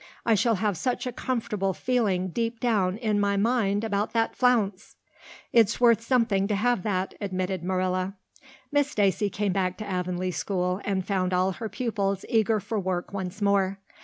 I shall have such a comfortable feeling deep down in my mind about that flounce." "It's worth something to have that," admitted Marilla. Miss Stacy came back to Avonlea school and found all her pupils eager for work once more.